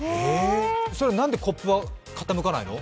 それなんでコップは傾かないの？